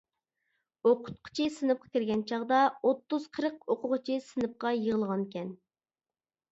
ئوقۇتقۇچى سىنىپقا كىرگەن چاغدا، ئوتتۇز-قىرىق ئوقۇغۇچى سىنىپقا يىغىلغانىكەن.